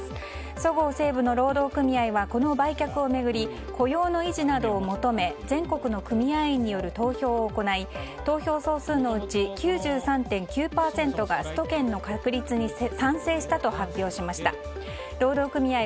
そごう・西武の労働組合はこの売却を巡り雇用の維持などを求め全国の組合員による投票を行い投票総数のうち９３．９％がスト権の確立にハロー！